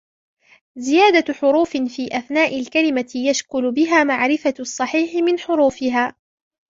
زِيَادَةُ حُرُوفٍ فِي أَثْنَاءِ الْكَلِمَةِ يَشْكُلُ بِهَا مَعْرِفَةُ الصَّحِيحِ مِنْ حُرُوفِهَا